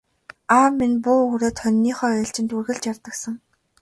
Аав маань буу үүрээд хониныхоо ээлжид үргэлж явдаг сан.